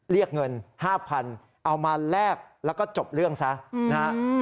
เรียกเงิน๕๐๐๐เอามาแลกแล้วก็จบเรื่องซะนะฮะ